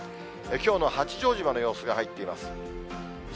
きょうの八丈島の様子が入っています。